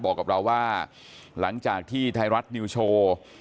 บอกกับเราว่าหลังจากที่ไทยรัฐนิวโชว์